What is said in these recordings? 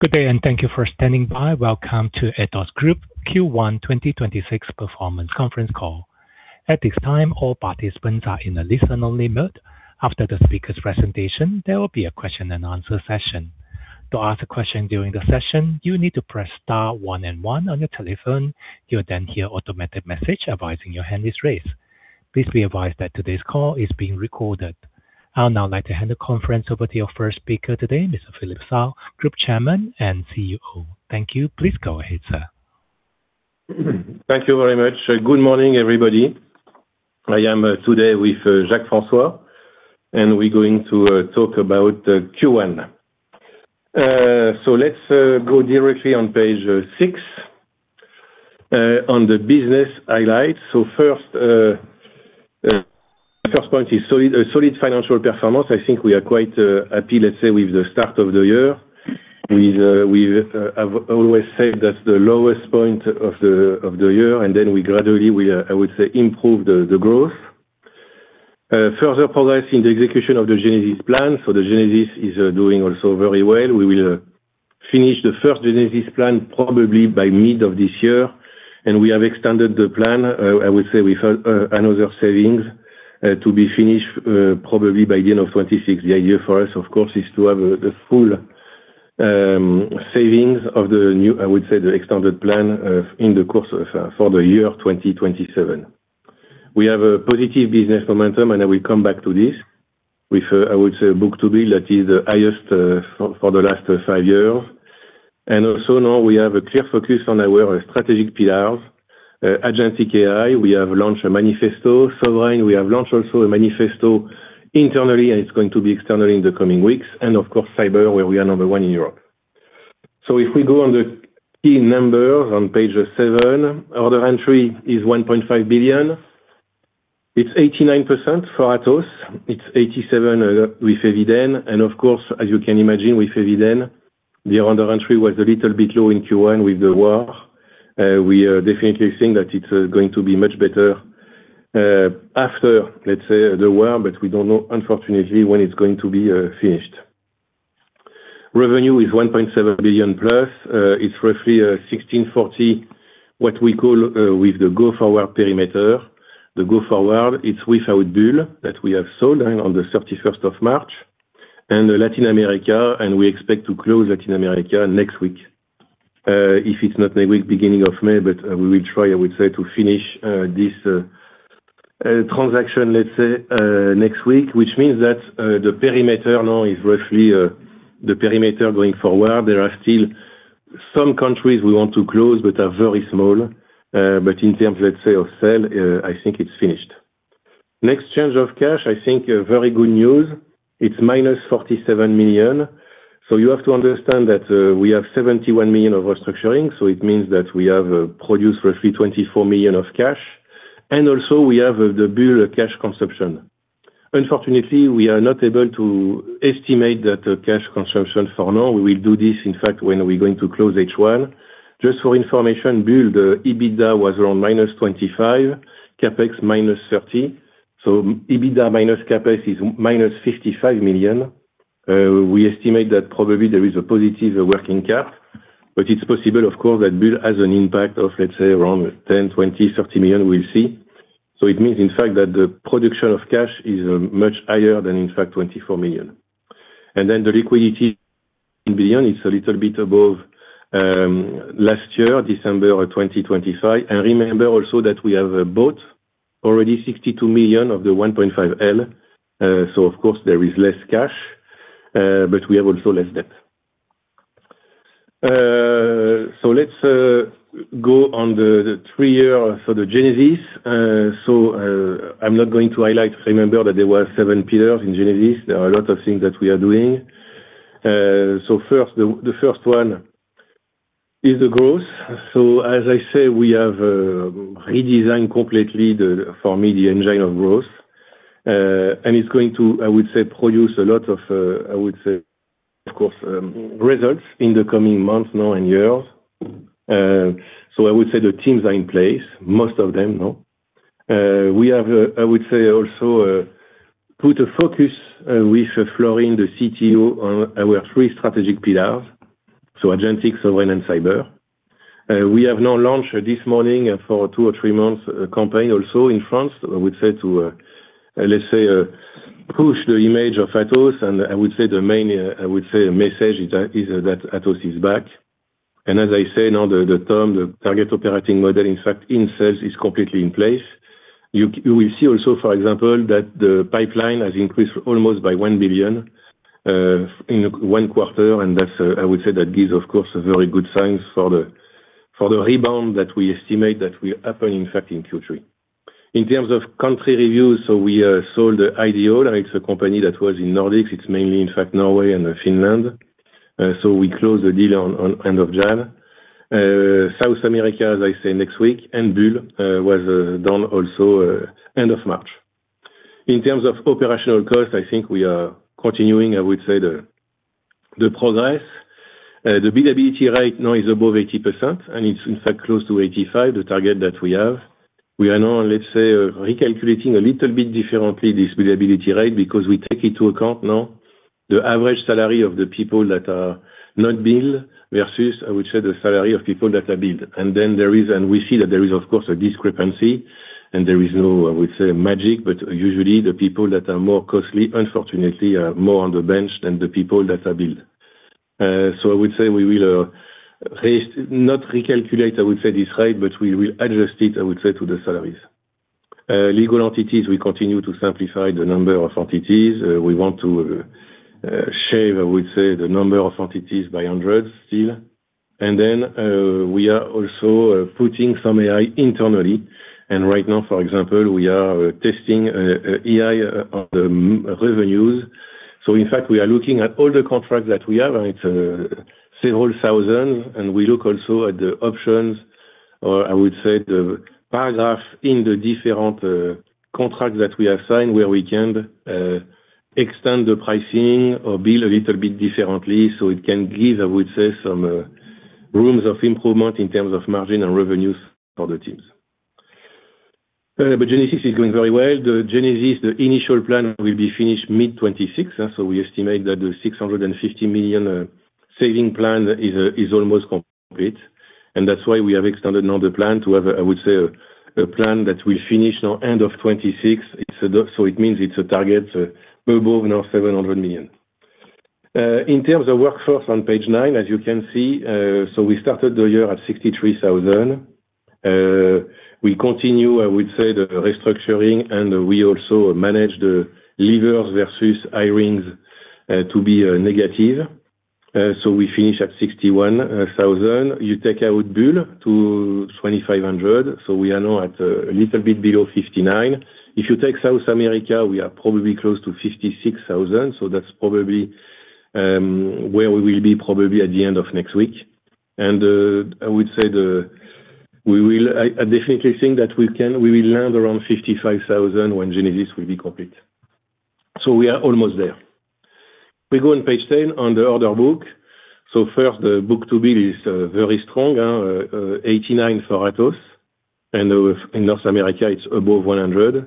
Good day and thank you for standing by. Welcome to Atos Group Q1 2026 Performance Conference Call. At this time, all participants are in a listen only mode. After the speaker's presentation, there will be a question and answer session. To ask a question during the session, you need to press star one and one on your telephone. You'll then hear an automatic message advising your hand is raised. Please be advised that today's call is being recorded. I would now like to hand the conference over to our first speaker today, Mr. Philippe Salle, Group Chairman and CEO. Thank you. Please go ahead, sir. Thank you very much. Good morning, everybody. I am today with Jacques-François de Prest, and we're going to talk about Q1. Let's go directly on page 6 on the business highlights. First point is solid financial performance. I think we are quite happy, let's say, with the start of the year. We have always said that's the lowest point of the year and then we gradually, I would say, improve the growth. Further progress in the execution of the Genesis plan. The Genesis plan is doing also very well. We will finish the first Genesis plan probably by mid of this year, and we have extended the plan, I would say, with another savings to be finished probably by the end of 2026. The idea for us, of course, is to have the full savings of the new, I would say, the extended plan in the course for the year 2027. We have a positive business momentum, and I will come back to this with, I would say, book-to-bill that is the highest for the last five years. Also now we have a clear focus on our strategic pillars. Agentic AI, we have launched a manifesto. Sovereign, we have launched also a manifesto internally, and it's going to be externally in the coming weeks. Of course, cyber, where we are number one in Europe. If we go on the key numbers on page seven, order entry is 1.5 billion. It's 89% for Atos, it's 87% with Eviden. Of course, as you can imagine with Eviden, the order entry was a little bit low in Q1 with the war. We definitely think that it's going to be much better after, let's say, the war, but we don't know, unfortunately, when it's going to be finished. Revenue is 1.7 billion+. It's roughly 1,640, what we call with the go forward perimeter. The go forward, it's without Bull that we have sold on the March 31st. Latin America, and we expect to close Latin America next week. If it's not next week, beginning of May, but we will try, I would say, to finish this transaction, let's say, next week which means that the perimeter now is roughly the perimeter going forward. There are still some countries we want to close but are very small. In terms, let's say, of sale, I think it's finished. Next, change of cash, I think a very good news. It's -47 million. You have to understand that we have 71 million of restructuring, so it means that we have produced roughly 24 million of cash. Also we have the Bull cash consumption. Unfortunately, we are not able to estimate that cash consumption for now. We will do this, in fact, when we're going to close H1. Just for information, Bull, the EBITDA was around -25, CapEx -30. EBITDA minus CapEx is -55 million. We estimate that probably there is a positive working cap, but it's possible, of course, that Bull has an impact of, let's say, around 10, 20, 30 million, we'll see. It means, in fact, that the production of cash is much higher than, in fact, 24 million. Then the liquidity in billion is a little bit above last year, December of 2025. Remember also that we have bought already 62 million of the 1.5L. Of course there is less cash, but we have also less debt. Let's go on the three-year for the Genesis. I'm not going to highlight. Remember that there were seven pillars in Genesis. There are a lot of things that we are doing. The first one is the growth. As I say, we have redesigned completely for me the engine of growth. It's going to, I would say, produce a lot of, I would say, of course, results in the coming months now and years. I would say the teams are in place, most of them now. We have, I would say, also put a focus with Florin, the CTO, on our three strategic pillars. Agentic, sovereign, and cyber. We have now launched this morning for two or three months a campaign also in France, I would say to, let's say, push the image of Atos and I would say the main, I would say message is that Atos is back. As I say now the term, the target operating model, in fact, in sales is completely in place. You will see also, for example, that the pipeline has increased almost by 1 billion in one quarter. That's, I would say, that gives, of course, a very good signs for the rebound that we estimate that will happen, in fact, in Q3. In terms of country reviews, we sold Ideol. It's a company that was in Nordics. It's mainly, in fact, Norway and Finland. We closed the deal on end of January. South America, as I say, next week. Bull was done also end of March. In terms of operational cost, I think we are continuing, I would say, the progress. The billability rate now is above 80%, and it's in fact close to 85%, the target that we have. We are now, let's say, recalculating a little bit differently this billability rate, because we take into account now the average salary of the people that are not billed versus, I would say, the salary of people that are billed. And then we see that there is, of course, a discrepancy, and there is no, I would say, magic, but usually the people that are more costly, unfortunately, are more on the bench than the people that are billed. I would say we will not recalculate this rate, but we will adjust it, I would say, to the salaries. Legal entities, we continue to simplify the number of entities. We want to shave, I would say, the number of entities by hundreds still. Then we are also putting some AI internally. Right now, for example, we are testing AI on the revenues. In fact, we are looking at all the contracts that we have, and it's several thousand. We look also at the options or, I would say, the paragraph in the different contracts that we have signed where we can extend the pricing or bill a little bit differently so it can give, I would say, some rooms of improvement in terms of margin and revenues for the teams. Genesis is going very well. The Genesis, the initial plan will be finished mid-2026. We estimate that the 650 million savings plan is almost complete. That's why we have extended now the plan to have, I would say, a plan that will finish now end of 2026. It means it's a target above now 700 million. In terms of workforce on page 9, as you can see, we started the year at 63,000. We continue, I would say, the restructuring, and we also manage the leavers versus hirings to be negative. We finish at 61,000. You take out Bull to 2,500. We are now at a little bit below 59. If you take South America, we are probably close to 56,000. That's probably where we will be probably at the end of next week. I would say I definitely think that we will land around 55,000 when Genesis will be complete. We are almost there. We go on page 10 on the order book. First, the book-to-bill is very strong, 89% for Atos, and in North America, it's above 100%.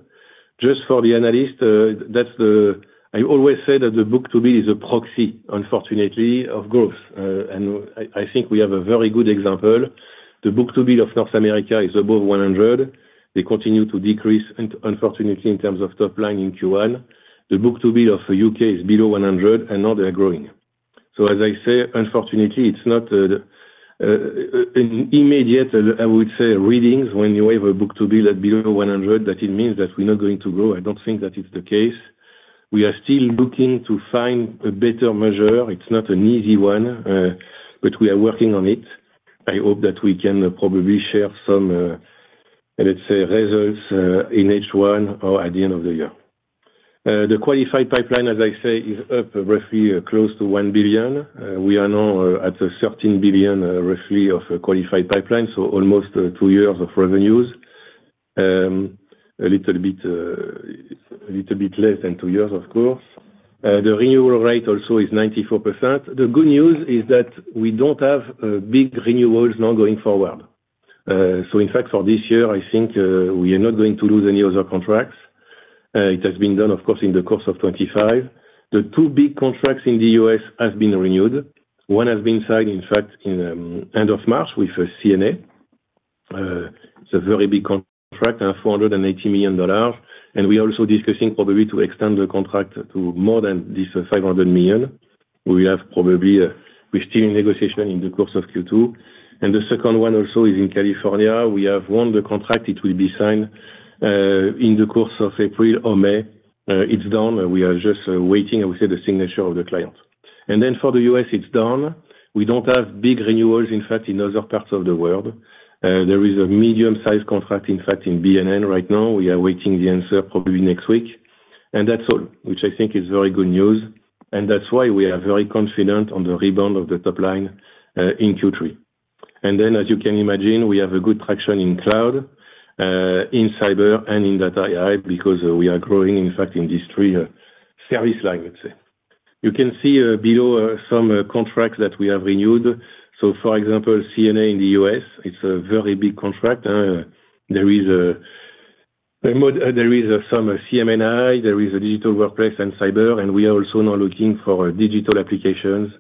Just for the analyst, I always say that the book-to-bill is a proxy, unfortunately, of growth. I think we have a very good example. The book-to-bill of North America is above 100%. They continue to decrease, unfortunately, in terms of top line in Q1. The book-to-bill of U.K. is below 100%, and now they are growing. As I say, unfortunately, it's not an immediate, I would say, reading when you have a book-to-bill at below 100%, that it means that we're not going to grow. I don't think that is the case. We are still looking to find a better measure. It's not an easy one, but we are working on it. I hope that we can probably share some, let's say, results in H1 or at the end of the year. The qualified pipeline, as I say, is up roughly close to 1 billion. We are now at 13 billion roughly of qualified pipeline, so almost two years of revenues. A little bit less than two years, of course. The renewal rate also is 94%. The good news is that we don't have big renewals now going forward. In fact, for this year, I think we are not going to lose any other contracts. It has been done, of course, in the course of 2025. The two big contracts in the U.S. has been renewed. One has been signed, in fact, in end of March with CNA. It's a very big contract, $480 million. We're also discussing probably to extend the contract to more than this $500 million. We're still in negotiation in the course of Q2. The second one also is in California. We have won the contract. It will be signed in the course of April or May. It's done. We are just waiting, I would say, the signature of the client. Then for the U.S., it's done. We don't have big renewals, in fact, in other parts of the world. There is a medium-sized contract, in fact, in BNN right now. We are waiting the answer probably next week. That's all, which I think is very good news. That's why we are very confident on the rebound of the top line in Q3. As you can imagine, we have a good traction in cloud, in cyber, and in Data & AI, because we are growing, in fact, in these three service line, let's say. You can see below some contracts that we have renewed. For example, CNA in the U.S., it's a very big contract. There is some C&MI, there is a digital workplace and cyber, and we are also now looking for digital applications,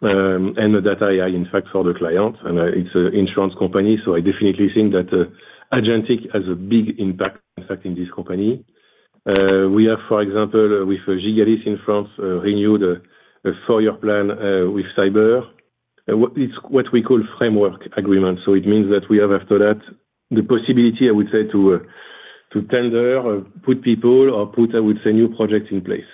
and the Data & AI, in fact, for the client. It's an insurance company, so I definitely think that Agentic has a big impact, in fact, in this company. We have, for example, with Gigalis in France, renewed a four-year plan with cyber. It's what we call framework agreement. It means that we have after that the possibility, I would say, to tender or put people or put, I would say, new projects in place.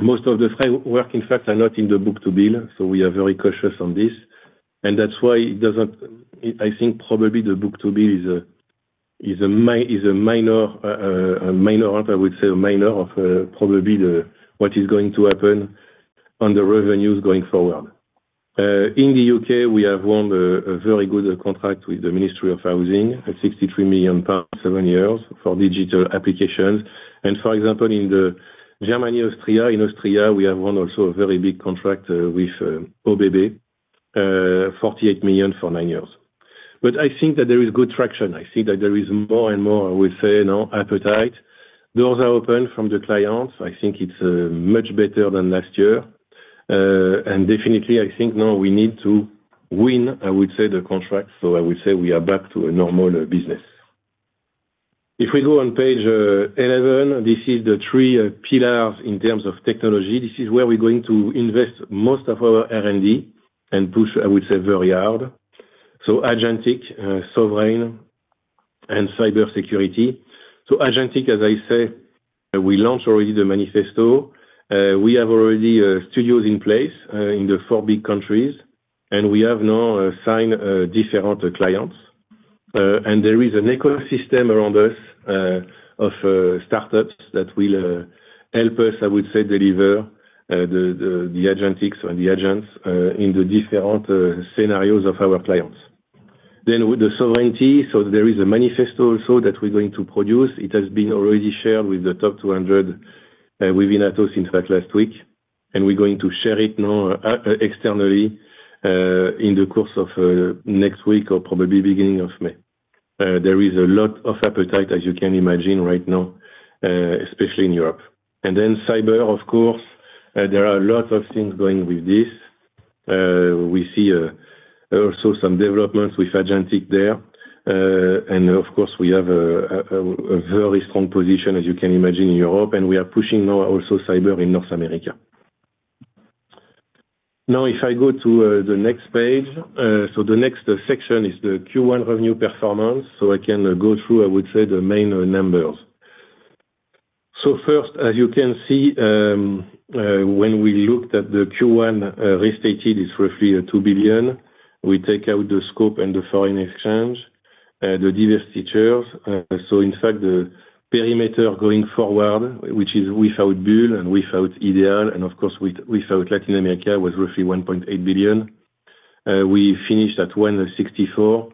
Most of the framework, in fact, are not in the book-to-bill, so we are very cautious on this. That's why I think probably the book-to-bill is a mirror of probably what is going to happen on the revenues going forward. In the U.K., we have won a very good contract with the Ministry of Housing at 63 million pounds, seven years for Digital Applications. For example, in Germany, in Austria, we have won also a very big contract with ÖBB at 48 million for nine years. I think that there is good traction. I see that there is more and more, I would say, appetite. Doors are open from the clients. I think it's much better than last year. Definitely, I think now we need to win, I would say, the contract. I would say we are back to a normal business. If we go on page 11, this is the three pillars in terms of technology. This is where we're going to invest most of our R&D and push, I would say, very hard. Agentic, sovereign, and cybersecurity. Agentic, as I say, we launch already the manifesto. We have already studios in place in the four big countries, and we have now signed different clients. There is an ecosystem around us of startups that will help us, I would say, deliver the agentics or the agents in the different scenarios of our clients. With the sovereignty, so there is a manifesto also that we're going to produce. It has been already shared with the top 200 within Atos, in fact, last week. We're going to share it now externally in the course of next week or probably beginning of May. There is a lot of appetite, as you can imagine, right now, especially in Europe. Cyber, of course, there are a lot of things going with this. We see also some developments with agentic there. Of course, we have a very strong position, as you can imagine, in Europe, and we are pushing now also cyber in North America. Now, if I go to the next page, so the next section is the Q1 revenue performance. I can go through, I would say, the main numbers. First, as you can see, when we looked at the Q1 restated, it's roughly 2 billion. We take out the scope and the foreign exchange, the divestitures. In fact, the perimeter going forward, which is without Bull and without Ideol, and of course, without Latin America, was roughly 1.8 billion. We finished at 164,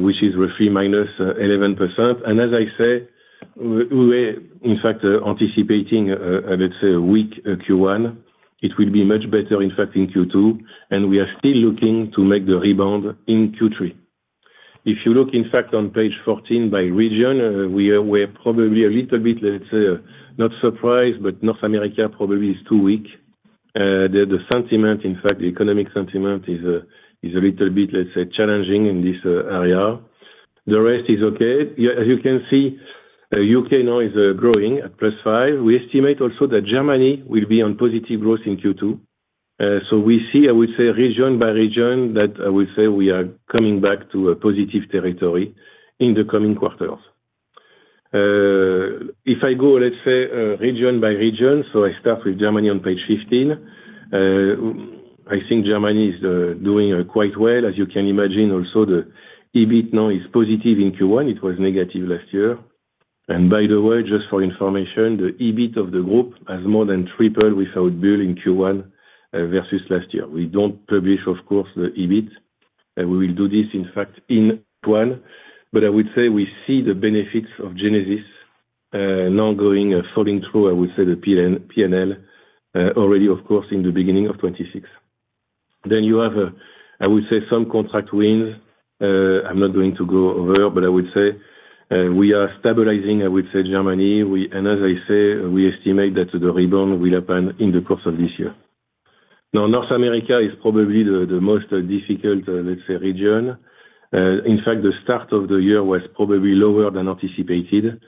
which is roughly -11%. As I say, we were in fact anticipating, let's say, a weak Q1. It will be much better, in fact, in Q2, and we are still looking to make the rebound in Q3. If you look, in fact, on page 14 by region, we are probably a little bit, let's say, not surprised, but North America probably is too weak. The sentiment, in fact, the economic sentiment is a little bit, let's say, challenging in this area. The rest is okay. As you can see, UK now is growing at +5. We estimate also that Germany will be on positive growth in Q2. We see, I would say, region by region that, I would say, we are coming back to a positive territory in the coming quarters. If I go, let's say, region by region, so I start with Germany on page 15. I think Germany is doing quite well. As you can imagine also, the EBIT now is positive in Q1. It was negative last year. By the way, just for information, the EBIT of the group has more than tripled without Bull in Q1 versus last year. We don't publish, of course, the EBIT. We will do this, in fact, in Q1. I would say we see the benefits of Genesis now going, falling through, I would say, the P&L already, of course, in the beginning of 2026. Then you have, I would say, some contract wins. I'm not going to go over, but I would say we are stabilizing, I would say, Germany. as I say, we estimate that the rebound will happen in the course of this year. Now, North America is probably the most difficult, let's say, region. In fact, the start of the year was probably lower than anticipated,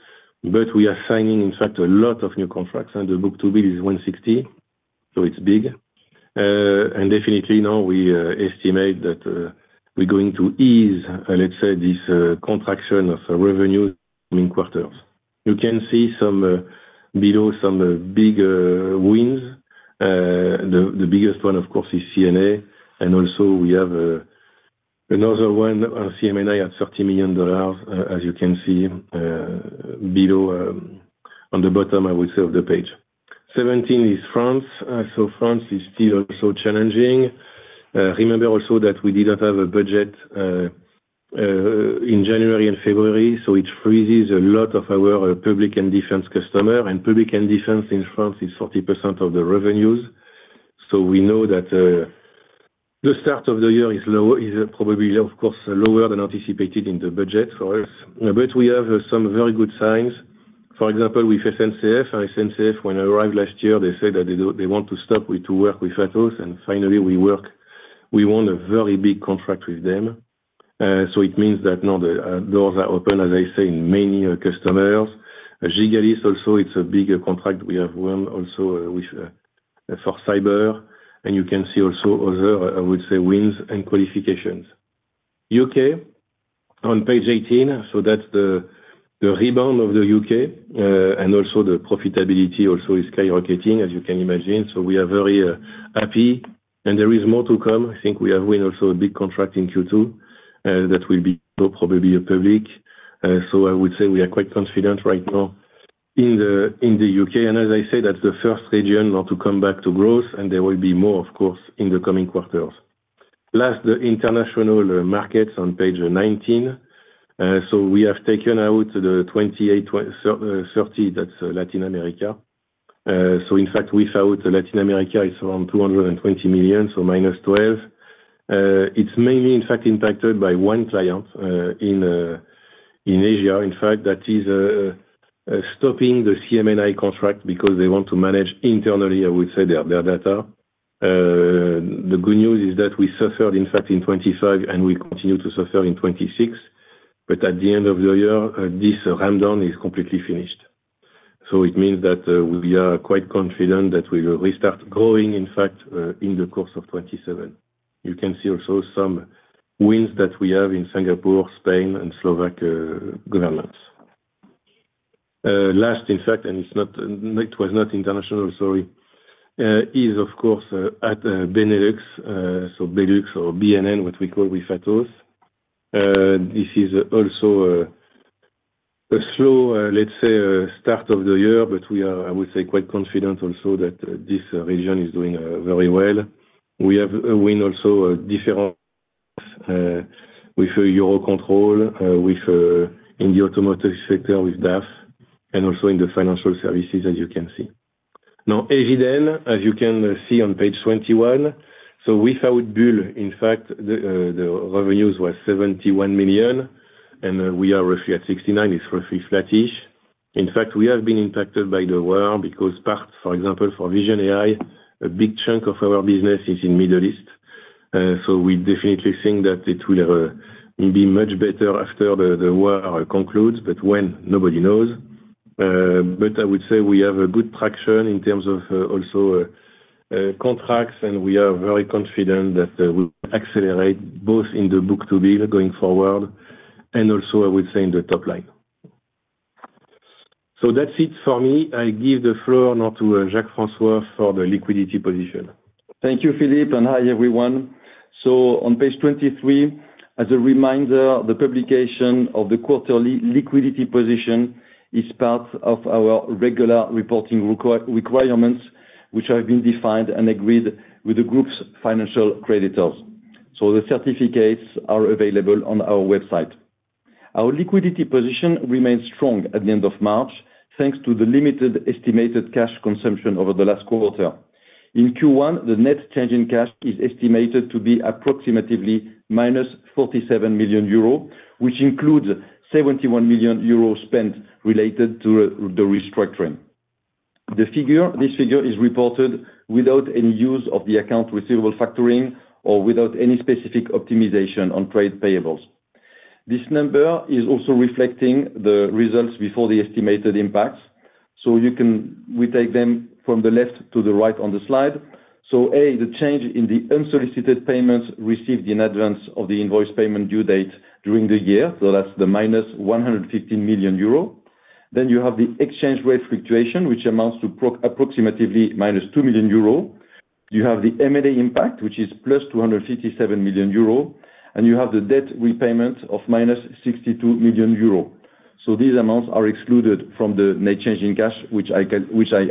but we are signing, in fact, a lot of new contracts, and the book-to-bill is 160, so it's big. definitely now we estimate that we're going to ease, let's say, this contraction of revenue in quarters. You can see below some big wins. The biggest one, of course, is CNA, and also we have another one, C&MI at $30 million, as you can see below on the bottom, I would say, of the page 17 is France. France is still also challenging. Remember also that we didn't have a budget in January and February, so it freezes a lot of our public and defense customer, and public and defense in France is 40% of the revenues. We know that the start of the year is probably, of course, lower than anticipated in the budget for us. We have some very good signs. For example, with SNCF. SNCF, when I arrived last year, they said that they want to stop to work with Atos, and finally we work. We won a very big contract with them. It means that now the doors are open, as I say, in many customers. Gigalis also, it's a big contract we have won also for cyber. You can see also other, I would say, wins and qualifications. U.K. on page 18. That's the rebound of the U.K., and also the profitability also is skyrocketing, as you can imagine. We are very happy, and there is more to come. I think we have won also a big contract in Q2 that will be probably public. I would say we are quite confident right now in the U.K. As I say, that's the first region now to come back to growth, and there will be more, of course, in the coming quarters. Last, the international markets on page 19. We have taken out the 28, 30, that's Latin America. In fact, without Latin America, it's around 220 million, so -12%. It's mainly, in fact, impacted by one client in Asia. In fact, that is stopping the C&MI contract because they want to manage internally, I would say, their data. The good news is that we suffered in fact in 2025, and we continue to suffer in 2026, but at the end of the year, this rundown is completely finished. It means that we are quite confident that we will restart growing, in fact, in the course of 2027. You can see also some wins that we have in Singapore, Spain and Slovak governments. Last, in fact, and it was not international, sorry. Is, of course, at Benelux, so Benelux or BNN, what we call with Atos. This is also a slow, let's say, start of the year, but we are, I would say, quite confident also that this region is doing very well. We have a win also, deal with EUROCONTROL, in the automotive sector with DAF and also in the financial services, as you can see. Now, Eviden, as you can see on page 21. Without Bull, in fact, the revenues were 71 million and we are roughly at 69 million. It's roughly flattish. In fact, we have been impacted by the war because part, for example, for Vision AI, a big chunk of our business is in Middle East. We definitely think that it will be much better after the war concludes. When, nobody knows. I would say we have a good traction in terms of also contracts, and we are very confident that we accelerate both in the book-to-bill going forward, and also, I would say, in the top line. That's it for me. I give the floor now to Jacques-François de Prest for the liquidity position. Thank you, Philippe, and hi, everyone. On page 23, as a reminder, the publication of the quarterly liquidity position is part of our regular reporting requirements, which have been defined and agreed with the group's financial creditors. The certificates are available on our website. Our liquidity position remains strong at the end of March, thanks to the limited estimated cash consumption over the last quarter. In Q1, the net change in cash is estimated to be approximately -47 million euros, which includes 71 million euros spent related to the restructuring. This figure is reported without any use of the accounts receivable factoring or without any specific optimization on trade payables. This number is also reflecting the results before the estimated impacts, so we take them from the left to the right on the slide. A, the change in the unsolicited payments received in advance of the invoice payment due date during the year. That's the -115 million euro. Then you have the exchange rate fluctuation, which amounts to approximately -2 million euro. You have the M&A impact, which is +257 million euro, and you have the debt repayment of -62 million euro. These amounts are excluded from the net change in cash, which I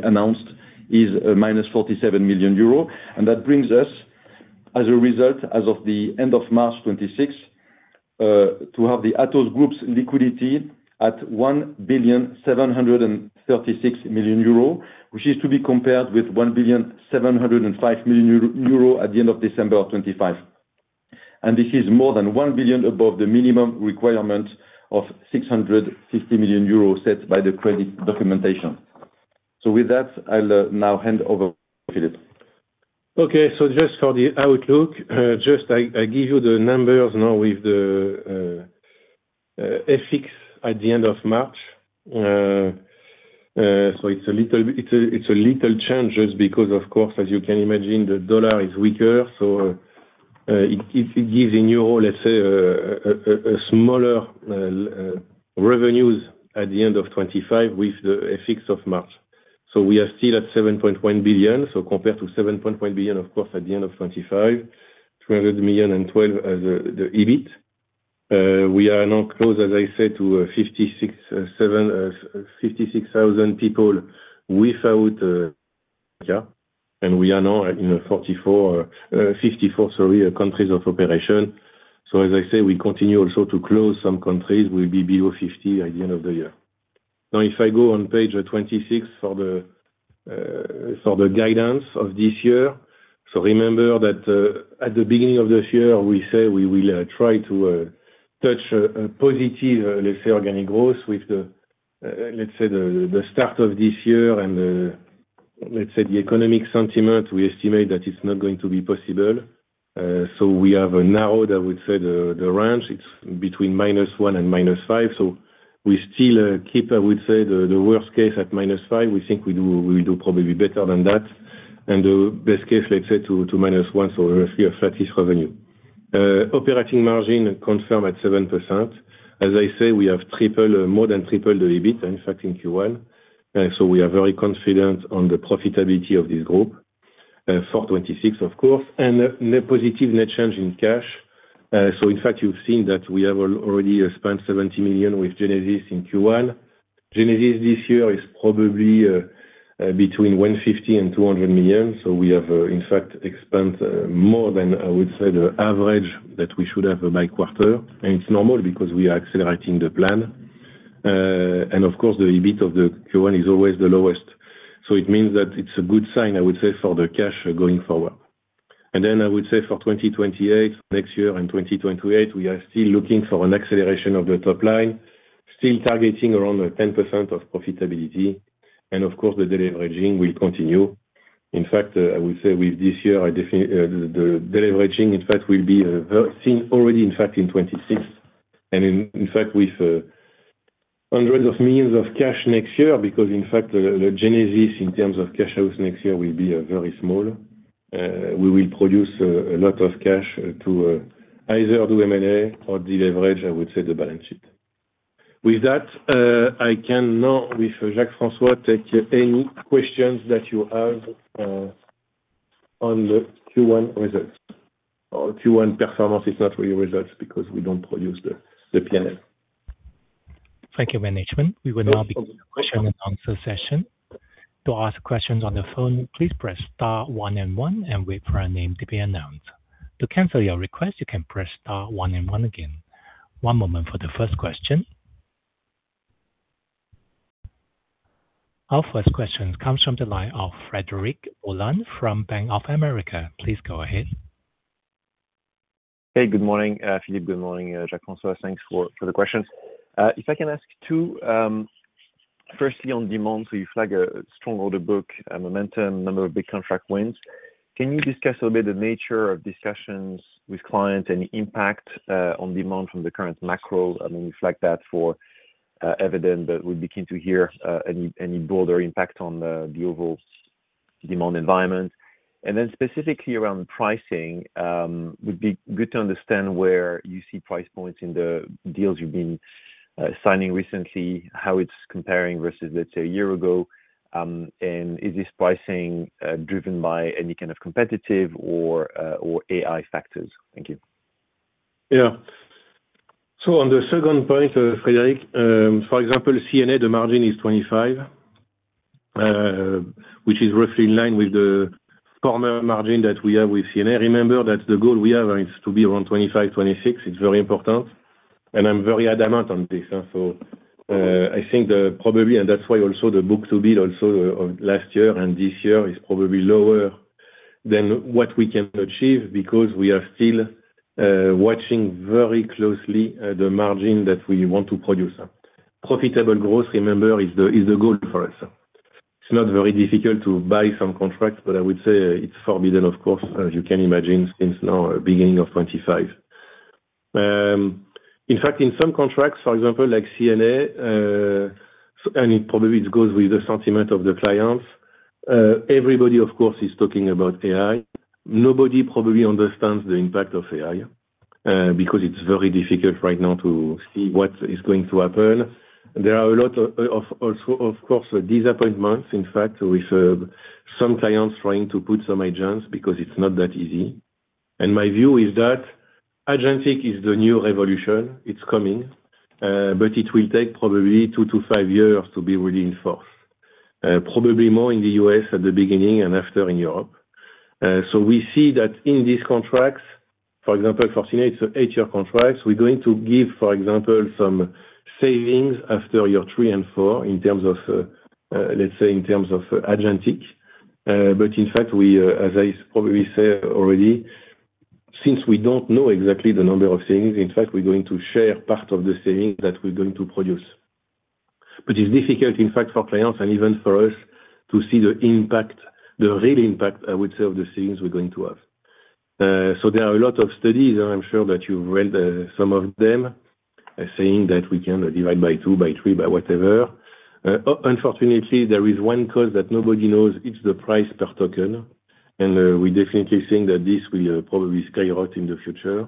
announced is a -47 million euro. That brings us, as a result, as of the end of March 2026, to have the Atos Group's liquidity at 1,736,000,000 euro, which is to be compared with 1,705,000,000 euro at the end of December 2025. This is more than 1 billion above the minimum requirement of 650 million euro set by the credit documentation. With that, I'll now hand over to Philippe. Okay, just for the outlook, I give you the numbers now with the FX at the end of March. It's a little change just because, of course, as you can imagine, the dollar is weaker. It gives in euro, let's say, a smaller revenues at the end of 2025 with the FX of March. We are still at 7.1 billion. Compared to 7.1 billion, of course, at the end of 2025, 312 million as the EBIT. We are now close, as I said, to 56,000 people without India. We are now in 54 countries of operation. As I say, we continue also to close some countries, we'll be below 50 at the end of the year. Now, if I go on page 26 for the guidance of this year. Remember that at the beginning of this year, we say we will try to touch a positive, let's say, organic growth with the start of this year and the economic sentiment, we estimate that it's not going to be possible. We have narrowed, I would say, the range. It's between -1% and -5%. We still keep, I would say, the worst case at -5%. We think we do probably better than that. The best case, let's say, to -1%. Roughly -3% revenue. Operating margin confirmed at 7%. As I say, we have more than tripled the EBIT, in fact, in Q1. We are very confident on the profitability of this group for 2026, of course, and positive net change in cash. In fact, you've seen that we have already spent 70 million with Genesis in Q1. Genesis this year is probably between 150 million and 200 million. We have in fact spent more than, I would say, the average that we should have by quarter. It's normal because we are accelerating the plan. Of course, the EBIT of the Q1 is always the lowest. It means that it's a good sign, I would say, for the cash going forward. I would say for 2028, next year and 2028, we are still looking for an acceleration of the top line, still targeting around 10% of profitability, and of course the deleveraging will continue. In fact, I would say with this year, the deleveraging in fact will be seen already in fact in 2026, and in fact with hundreds of millions of cash next year, because in fact the Genesis in terms of cash outs next year will be very small. We will produce a lot of cash to either do M&A or deleverage, I would say, the balance sheet. With that, I can now, with Jacques-François, take any questions that you have on the Q1 results. Q1 performance, it's not really results because we don't produce the P&L. Thank you, management. We will now begin the question and answer session. To ask questions on the phone, please press star one and one and wait for your name to be announced. To cancel your request, you can press star one and one again. One moment for the first question. Our first question comes from the line of Frederic Boulan from Bank of America. Please go ahead. Hey, good morning, Philippe Salle. Good morning, Jacques-François de Prest. Thanks for the questions. If I can ask two, firstly on demand, so you flag a strong order book, momentum, number of big contract wins. Can you discuss a bit the nature of discussions with clients and the impact on demand from the current macro? I mean, you flag that for Eviden, but we begin to hear any broader impact on the overall demand environment. And then specifically around pricing, would be good to understand where you see price points in the deals you've been signing recently, how it's comparing versus, let's say, a year ago. And is this pricing driven by any kind of competitive or AI factors? Thank you. On the second point, Frederic, for example, CNA, the margin is 25%, which is roughly in line with the former margin that we have with CNA. Remember, that's the goal we have, is to be around 25%-26%. It's very important. I'm very adamant on this. I think that probably, and that's why also the book-to-bill also of last year and this year is probably lower than what we can achieve because we are still watching very closely the margin that we want to produce. Profitable growth, remember, is the goal for us. It's not very difficult to buy some contracts, but I would say it's forbidden, of course, as you can imagine, since now beginning of 2025. In fact, in some contracts, for example, like CNA, and it probably goes with the sentiment of the clients. Everybody, of course, is talking about AI. Nobody probably understands the impact of AI, because it's very difficult right now to see what is going to happen. There are a lot of course, disappointments, in fact, with some clients trying to put some agents, because it's not that easy. My view is that Agentic is the new revolution. It's coming. It will take probably 2 years-5 years to be really in force. Probably more in the U.S. at the beginning and after in Europe. We see that in these contracts, for example, Fortinet, so HR contracts, we're going to give, for example, some savings after year 3 and year 4, let's say, in terms of Agentic. In fact, as I probably said already, since we don't know exactly the number of savings, in fact, we're going to share part of the saving that we're going to produce. It's difficult, in fact, for clients and even for us to see the impact, the real impact, I would say, of the savings we're going to have. There are a lot of studies, I'm sure that you've read some of them, saying that we can divide by two, by three, by whatever. Unfortunately, there is one cost that nobody knows. It's the price per token. We definitely think that this will probably skyrocket in the future.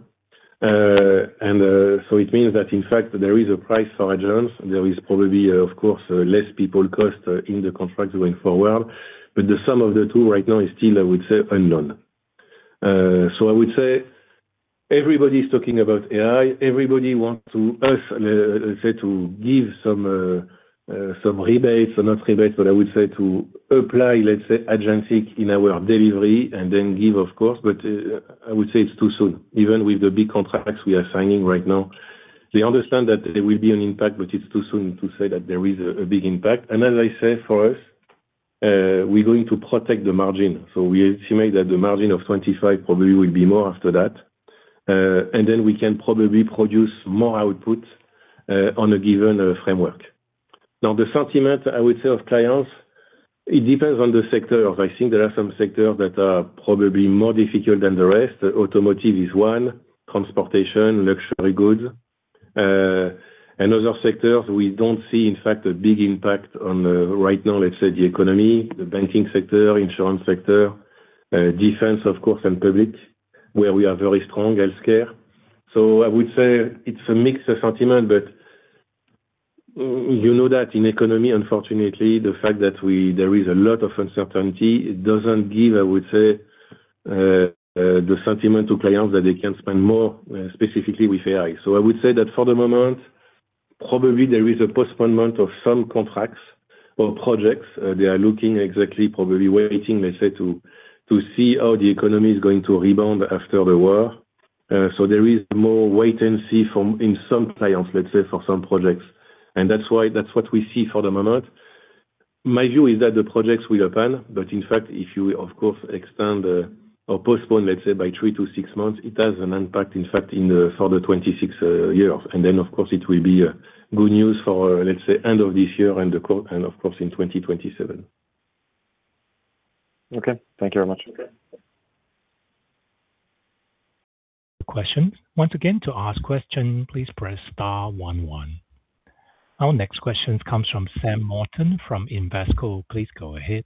It means that in fact there is a price for agents. There is probably, of course, less people cost in the contracts going forward, but the sum of the two right now is still, I would say, unknown. I would say everybody's talking about AI. Everybody wants to us, let's say, to give some rebates or not rebates, but I would say to apply, let's say, agentic in our delivery and then give, of course, but I would say it's too soon, even with the big contracts we are signing right now. They understand that there will be an impact, but it's too soon to say that there is a big impact. As I say, for us, we're going to protect the margin. We estimate that the margin of 25% probably will be more after that. Then we can probably produce more output on a given framework. Now, the sentiment I would say of clients, it depends on the sector. I think there are some sectors that are probably more difficult than the rest. Automotive is one, transportation, luxury goods. Other sectors, we don't see, in fact, a big impact on right now. Let's say the economy, the banking sector, insurance sector, defense, of course, and public, where we are very strong, healthcare. I would say it's a mixed sentiment, but you know that in economy, unfortunately, the fact that there is a lot of uncertainty, it doesn't give, I would say, the sentiment to clients that they can spend more specifically with AI. I would say that for the moment, probably there is a postponement of some contracts or projects. They are looking exactly, probably waiting, let's say, to see how the economy is going to rebound after the war. There is more wait and see in some clients, let's say, for some projects. That's what we see for the moment. My view is that the projects will happen. In fact, if you, of course, extend or postpone, let's say by 3 months-6 months, it has an impact, in fact, for the 2026 year. Then, of course, it will be good news for, let's say, end of this year and, of course, in 2027. Okay. Thank you very much. Okay. Once again to ask a question please press star one and one. Our next question comes from Sam Morton from Invesco. Please go ahead.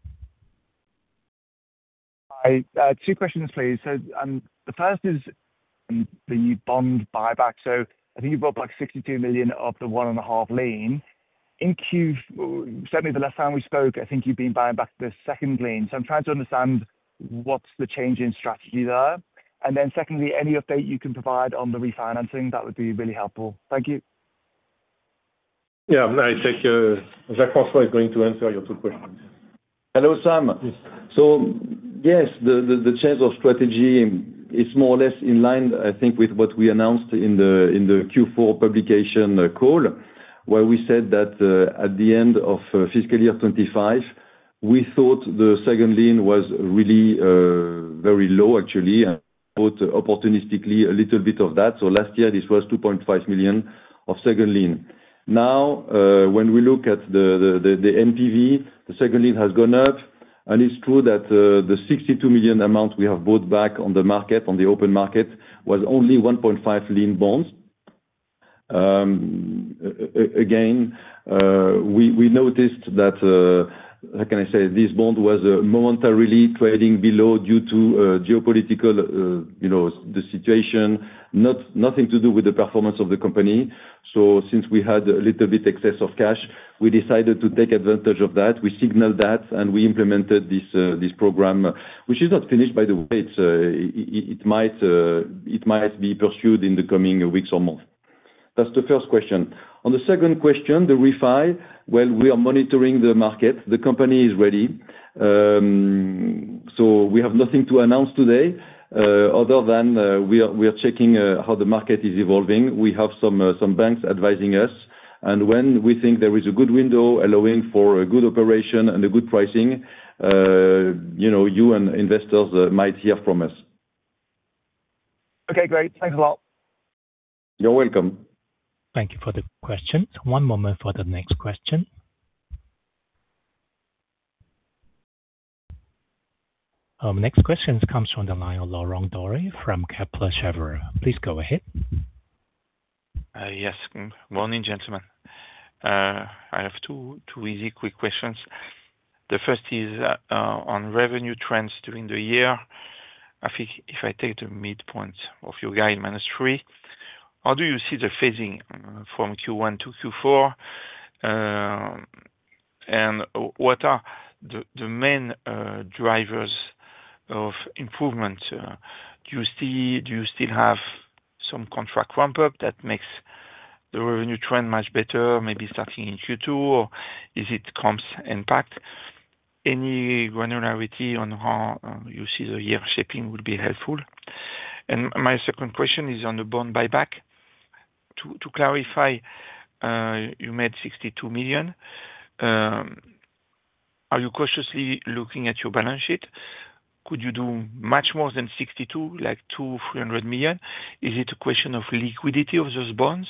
Hi. Two questions, please. The first is the bond buyback. I think you've got like 62 million of the 1.5 lien. Certainly the last time we spoke, I think you'd been buying back the second lien. I'm trying to understand what's the change in strategy there. Then secondly, any update you can provide on the refinancing, that would be really helpful. Thank you. Yeah. I think Jacques is going to answer your two questions. Hello, Sam. Yes. Yes, the change of strategy is more or less in line, I think, with what we announced in the Q4 publication call, where we said that, at the end of fiscal year 2025, we thought the second lien was really very low actually, and bought opportunistically a little bit of that. Last year this was 2.5 million of second lien. Now, when we look at the NPV, the second lien has gone up. It's true that the 62 million amount we have bought back on the market, on the open market, was only 1.5-lien bonds. Again, we noticed that, how can I say? This bond was momentarily trading below due to geopolitical, the situation, nothing to do with the performance of the company. Since we had a little bit excess of cash, we decided to take advantage of that. We signaled that, and we implemented this program, which is not finished by the way. It might be pursued in the coming weeks or month. That's the first question. On the second question, the refi, well, we are monitoring the market. The company is ready. We have nothing to announce today, other than, we are checking how the market is evolving. We have some banks advising us. When we think there is a good window allowing for a good operation and a good pricing, you and investors might hear from us. Okay, great. Thanks a lot. You're welcome. Thank you for the question. One moment for the next question. Next question comes from the line of Laurent Daure from Kepler Cheuvreux. Please go ahead. Yes. Morning, gentlemen. I have two easy, quick questions. The first is on revenue trends during the year. I think if I take the midpoint of your guide -3, how do you see the phasing from Q1 to Q4? What are the main drivers of improvement? Do you still have some contract ramp-up that makes the revenue trend much better, maybe starting in Q2, or is it comps impact? Any granularity on how you see the year shaping would be helpful. My second question is on the bond buyback. To clarify, you made 62 million. Are you cautiously looking at your balance sheet? Could you do much more than 62 million, like 200 million-300 million? Is it a question of liquidity of those bonds?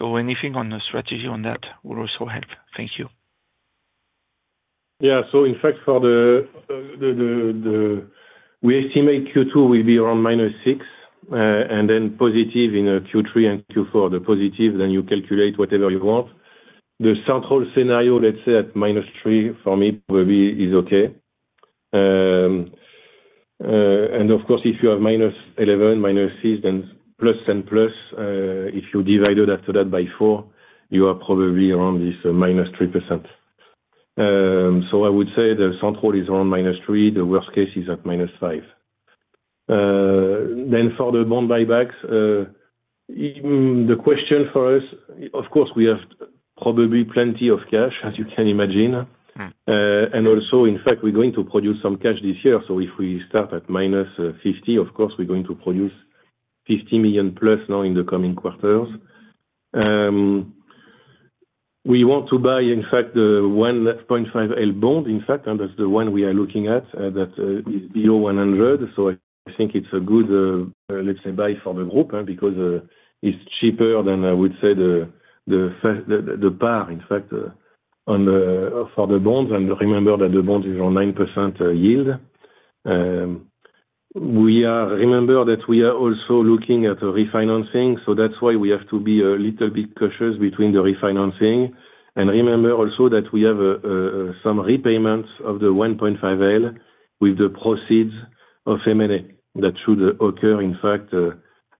Anything on the strategy on that will also help. Thank you. Yeah. In fact, we estimate Q2 will be around -6, and then positive in Q3 and Q4. The positive, then you calculate whatever you want. The central scenario, let's say at -3, for me is okay. Of course, if you have -11, -6, then plus, if you divided after that by 4, you are probably around this -3%. I would say the central is around -3. The worst case is at -5. For the bond buybacks, the question for us, of course, we have probably plenty of cash, as you can imagine. Also, in fact, we're going to produce some cash this year. If we start at -50 million, of course, we're going to produce 50 million+ now in the coming quarters. We want to buy, in fact, the 1.5L bond, in fact, and that's the one we are looking at, that is below 100. I think it's a good, let's say, buy for the group, because, it's cheaper than, I would say the par, in fact, for the bonds. Remember that the bond is on 9% yield. Remember that we are also looking at refinancing, so that's why we have to be a little bit cautious between the refinancing. Remember also that we have some repayments of the 1.5L with the proceeds of M&A that should occur, in fact,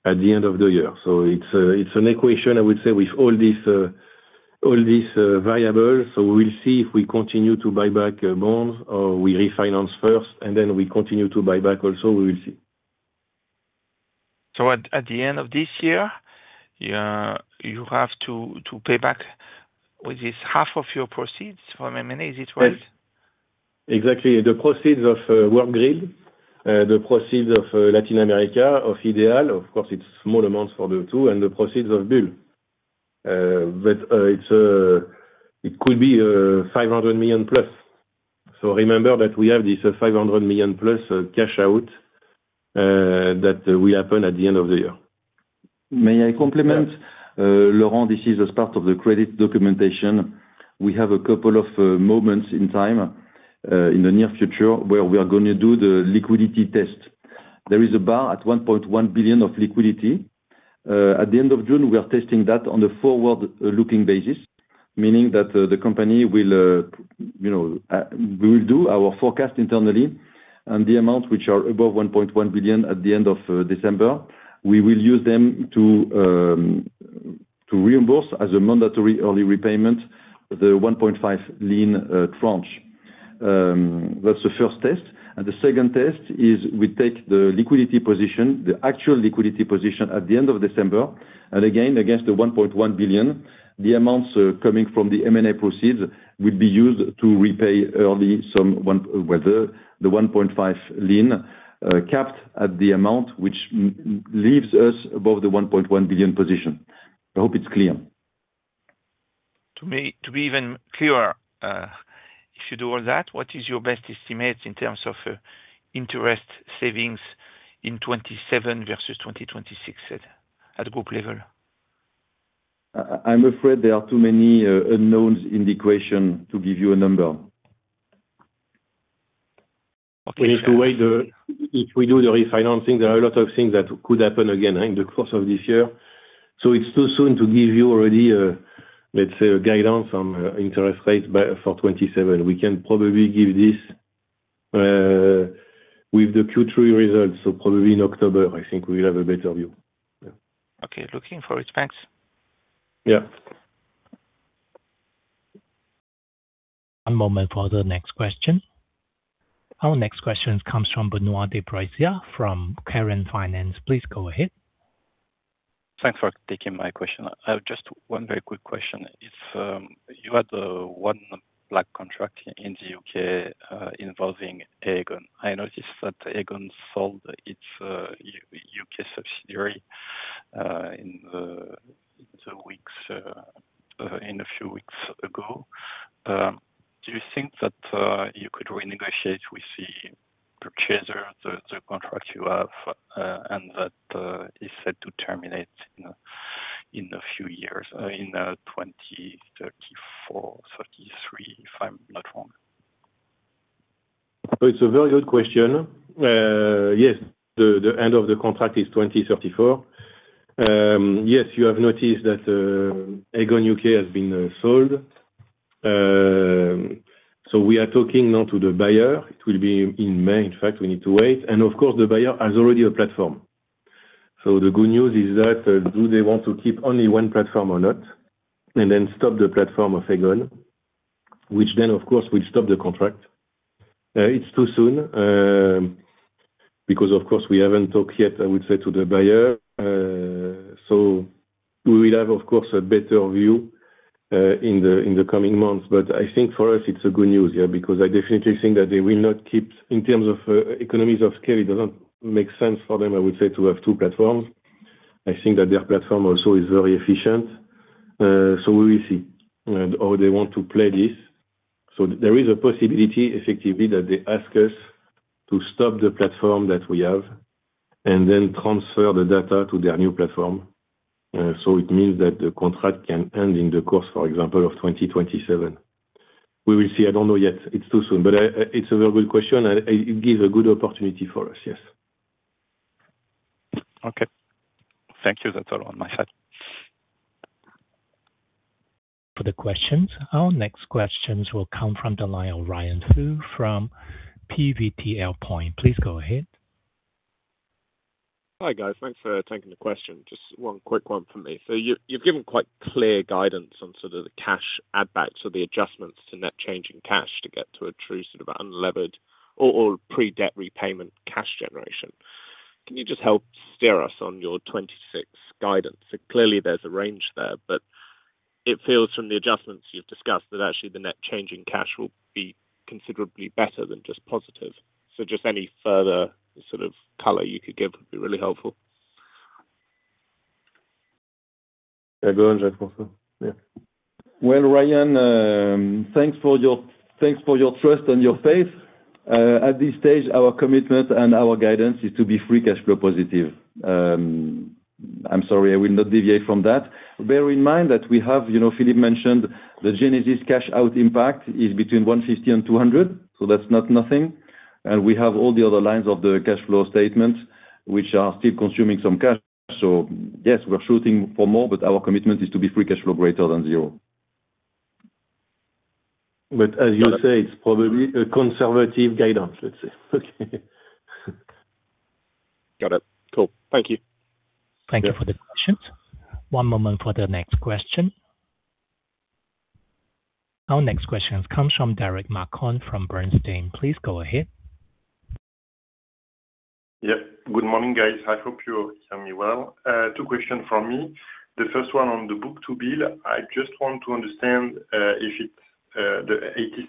at the end of the year. It's an equation, I would say, with all these variables. We will see if we continue to buy back bonds or we refinance first, and then we continue to buy back also. We will see. At the end of this year, you have to pay back with this half of your proceeds from M&A, is it right? Exactly. The proceeds of Worldgrid, the proceeds of Latin America, of Ideol. Of course, it's small amounts for the two, and the proceeds of Bull. It could be 500 million+. Remember that we have this 500 million+ cash out that will happen at the end of the year. May I compliment? Laurent, this is as part of the credit documentation. We have a couple of moments in time, in the near future, where we are going to do the liquidity test. There is a bar at 1.1 billion of liquidity. At the end of June, we are testing that on the forward-looking basis, meaning that the company will do our forecast internally, and the amounts which are above 1.1 billion at the end of December, we will use them to reimburse, as a mandatory early repayment, the 1.5 lien tranche. That's the first test. The second test is we take the liquidity position, the actual liquidity position at the end of December. Again, against the 1.1 billion, the amounts coming from the M&A proceeds will be used to repay early the 1.5 lien capped at the amount which leaves us above the 1.1 billion position. I hope it's clear. To be even clearer, if you do all that, what is your best estimate in terms of interest savings in 2027 versus 2026 at group level? I'm afraid there are too many unknowns in the equation to give you a number. Okay. We need to wait. If we do the refinancing, there are a lot of things that could happen again in the course of this year, so it's too soon to give you already, let's say, a guidance on interest rates for 2027. We can probably give this with the Q3 results. Probably in October, I think we'll have a better view. Okay. Looking for it. Thanks. Yeah. One moment for the next question. Our next question comes from Benoit de Broissia from Keren Finance. Please go ahead. Thanks for taking my question. I have just one very quick question. If you had one block contract in the U.K., involving Aegon. I noticed that Aegon sold its U.K. subsidiary a few weeks ago. Do you think that you could renegotiate with the purchaser the contract you have and that is set to terminate in a few years, in 2034, 2033, if I'm not wrong? It's a very good question. Yes, the end of the contract is 2034. Yes, you have noticed that Aegon UK has been sold. We are talking now to the buyer. It will be in May. In fact, we need to wait. Of course, the buyer has already a platform. The good news is that, do they want to keep only one platform or not? Then stop the platform of Aegon, which then, of course, will stop the contract. It's too soon, because of course, we haven't talked yet, I would say, to the buyer. We will have, of course, a better view in the coming months. I think for us it's a good news, because I definitely think that they will not keep. In terms of economies of scale, it doesn't make sense for them, I would say, to have two platforms. I think that their platform also is very efficient. We will see how they want to play this. There is a possibility, effectively, that they ask us to stop the platform that we have and then transfer the data to their new platform. It means that the contract can end in the course, for example, of 2027. We will see. I don't know yet. It's too soon, but it's a very good question and it gives a good opportunity for us, yes. Okay. Thank you. That's all on my side. For the questions. Our next questions will come from the line of Ryan Flew from PVTL Point. Please go ahead. Hi, guys. Thanks for taking the question. Just one quick one from me. You've given quite clear guidance on sort of the cash add backs or the adjustments to net change in cash to get to a true sort of unlevered or pre-debt repayment cash generation. Can you just help steer us on your 2026 guidance? Clearly, there's a range there, but it feels from the adjustments you've discussed that actually the net change in cash will be considerably better than just positive. Just any further sort of color you could give would be really helpful. Go on, Jacques. Well, Ryan, thanks for your trust and your faith. At this stage, our commitment and our guidance is to be free cash flow positive. I'm sorry, I will not deviate from that. Bear in mind that we have, Philippe mentioned, the Genesis cash out impact is between 150-200, so that's not nothing. We have all the other lines of the cash flow statement, which are still consuming some cash. Yes, we're shooting for more, but our commitment is to be free cash flow greater than zero. As you say, it's probably a conservative guidance, let's say. Got it. Cool. Thank you. Thank you for the questions. One moment for the next question. Our next question comes from Derric Marcon from Bernstein. Please go ahead. Yeah. Good morning, guys. I hope you hear me well. Two questions from me. The first one on the book-to-bill. I just want to understand if the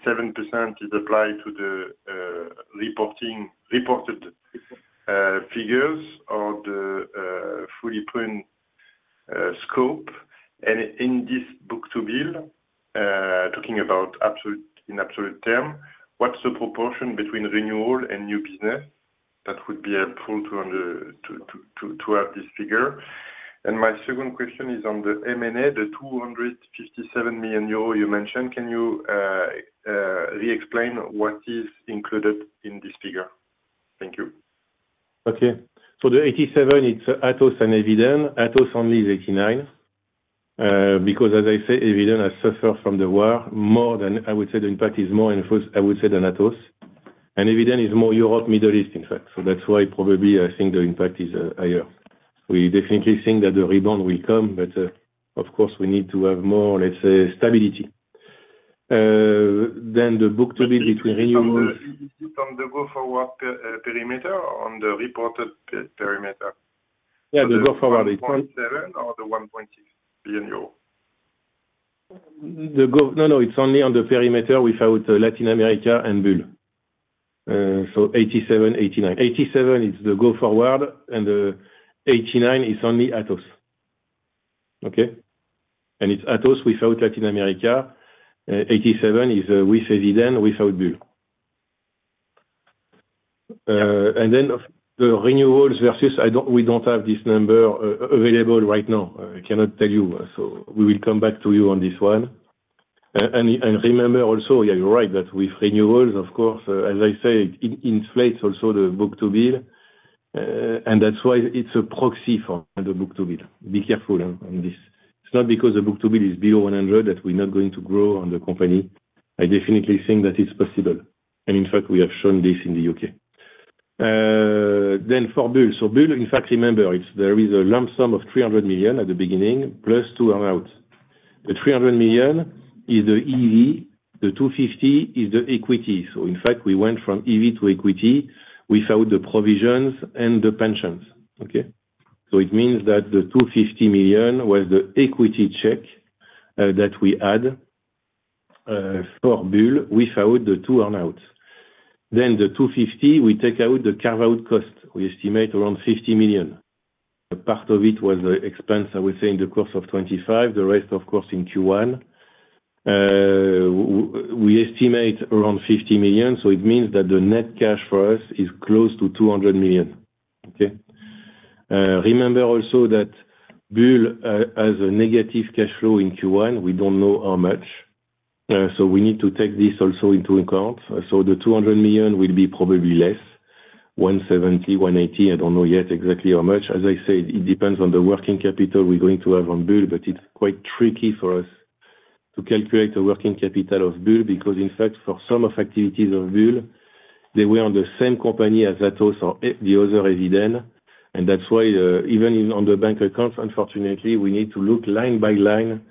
87% is applied to the reported figures or the fully planned scope. In this book-to-bill, talking about in absolute terms, what's the proportion between renewal and new business? That would be helpful to have this figure. My second question is on the M&A, the 257 million euro you mentioned, can you re-explain what is included in this figure? Thank you. Okay. The 0.87, it's Atos and Eviden. Atos only is 0.89. Because as I say, Eviden has suffered from the war more than, I would say the impact is more influenced, I would say, than Atos. Eviden is more Europe, Middle East, in fact. That's why probably I think the impact is higher. We definitely think that the rebound will come, but, of course, we need to have more, let's say, stability. The book-to-bill between renewals. From the go forward perimeter or on the reported perimeter? Yeah, the go forward- 1.7 or the 1.6 billion euro. No, it's only on the perimeter without Latin America and Bull. 87, 89. 87 is the go forward and the 89 is only Atos. Okay? It's Atos without Latin America. 87 is with Eviden, without Bull. Then the renewals versus, we don't have this number available right now. I cannot tell you. We will come back to you on this one. Remember also, yeah, you're right, that with renewals, of course, as I say, it inflates also the book-to-bill. That's why it's a proxy for the book-to-bill. Be careful on this. It's not because the book-to-bill is below 100 that we're not going to grow on the company. I definitely think that it's possible. In fact, we have shown this in the U.K. For Bull, so Bull, in fact, remember there is a lump sum of 300 million at the beginning, +2 earn-outs. The 300 million is the EV, the 250 million is the equity. In fact, we went from EV to equity without the provisions and the pensions. Okay? It means that the 250 million was the equity check that we add for Bull without the 2 earn-outs. The 250 million, we take out the carve-out cost. We estimate around 50 million. A part of it was expense, I would say, in the course of 2025, the rest, of course, in Q1. We estimate around 50 million, so it means that the net cash for us is close to 200 million. Okay? Remember also that Bull has a negative cash flow in Q1. We don't know how much. We need to take this also into account. The 200 million will be probably less, 170 million-180 million. I don't know yet exactly how much. As I said, it depends on the working capital we're going to have on Bull, but it's quite tricky for us to calculate the working capital of Bull because in fact, for some of activities of Bull, they were on the same company as Atos or the other, Eviden. And that's why even on the bank accounts, unfortunately, we need to look line by line,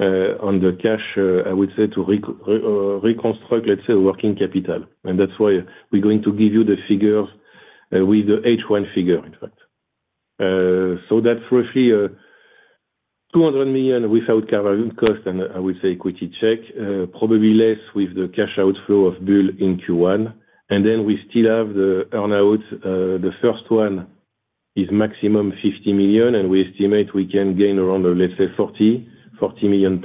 on the cash, I would say, to reconstruct, let's say, working capital. And that's why we're going to give you the figure with the H1 figure, in fact. That's roughly 200 million without carve-out cost and I would say equity check, probably less with the cash outflow of Bull in Q1. And then we still have the earn-outs. The first one is maximum 50 million, and we estimate we can gain around, let's say 40 million+.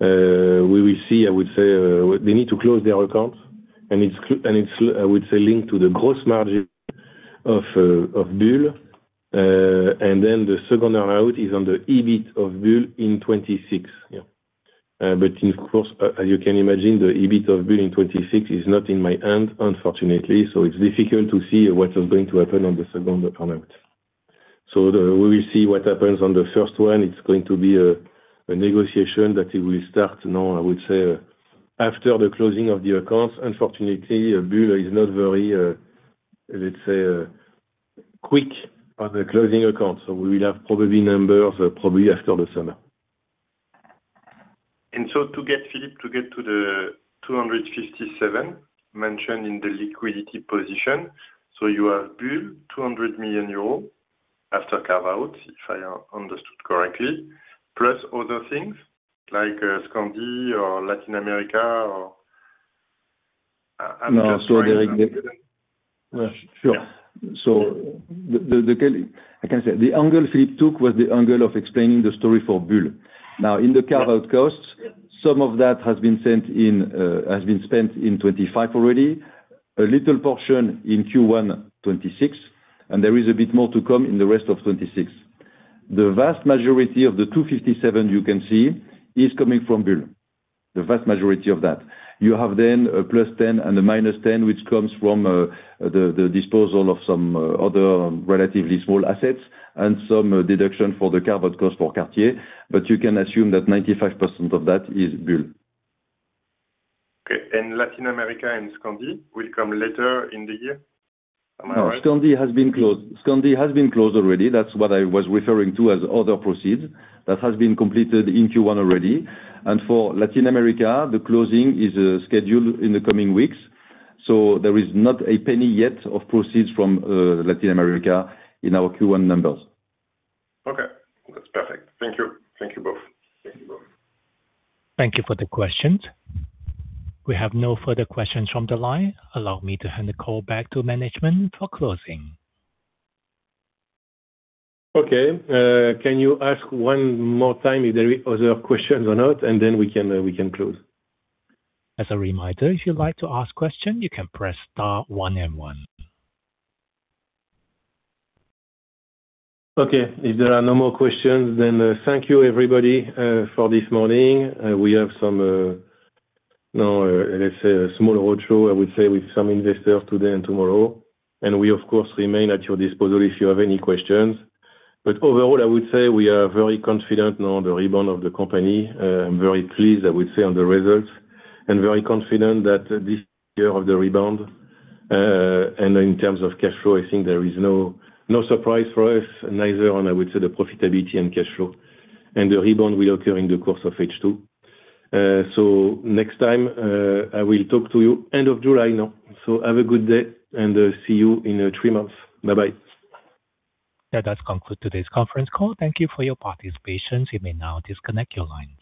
We will see. I would say, they need to close their accounts. It's, I would say, linked to the gross margin of Bull. The second earn-out is on the EBIT of Bull in 2026. Of course, as you can imagine, the EBIT of Bull in 2026 is not in my hand, unfortunately. It's difficult to see what is going to happen on the second earn-out. We will see what happens on the first one. It's going to be a negotiation that it will start, I would say, after the closing of the accounts. Unfortunately, Bull is not very, let's say, quick on the closing accounts. We will have probably numbers after the summer. Philippe, to get to the 257 mentioned in the liquidity position, so you have Bull 200 million euros after carve-out, if I understood correctly, plus other things like Scandi or Latin America. No. Sure. Yeah. I can say the angle Philippe took was the angle of explaining the story for Bull. Now, in the carve-out costs, some of that has been spent in 2025 already, a little portion in Q1 2026, and there is a bit more to come in the rest of 2026. The vast majority of the 257 million you can see is coming from Bull. The vast majority of that. You have then a +10 million and a -10 million, which comes from the disposal of some other relatively small assets and some deduction for the carve-out cost for Cartier, but you can assume that 95% of that is Bull. Okay. Latin America and Scandi will come later in the year? Am I right? No, Scandi has been closed already. That's what I was referring to as other proceeds. That has been completed in Q1 already. For Latin America, the closing is scheduled in the coming weeks, so there is not a penny yet of proceeds from Latin America in our Q1 numbers. Okay. That's perfect. Thank you. Thank you both. Thank you for the questions. We have no further questions from the line. Allow me to hand the call back to management for closing. Okay. Can you ask one more time if there is other questions or not, and then we can close. As a reminder, if you'd like to ask question, you can press star one and one. Okay. If there are no more questions, thank you everybody, for this morning. We have some, let's say a small roadshow, I would say, with some investors today and tomorrow. We of course remain at your disposal if you have any questions. Overall, I would say we are very confident now on the rebound of the company. I'm very pleased, I would say, on the results, and very confident that this year of the rebound, and in terms of cash flow, I think there is no surprise for us, neither on, I would say, the profitability and cash flow. The rebound will occur in the course of H2. Next time, I will talk to you end of July now. Have a good day and see you in three months. Bye-bye. That does conclude today's conference call. Thank you for your participation. You may now disconnect your lines.